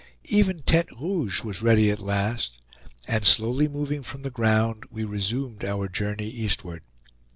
Even Tete Rouge was ready at last, and slowly moving from the ground, we resumed our journey eastward.